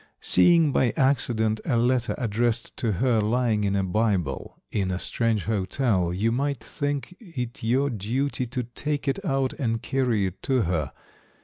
Seeing by accident a letter addressed to her lying in a Bible in a strange hotel, you might think it your duty to take it out and carry it to her.